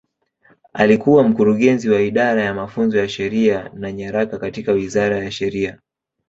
Alikuwa Mkurugenzi wa Idara ya Mafunzo ya Sheria na Nyaraka katika Wizara ya Sheria.